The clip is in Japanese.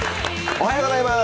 おはようございます。